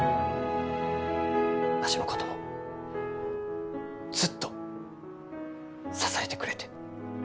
わしのこともずっと支えてくれて。